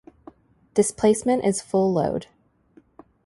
Displacement is full load.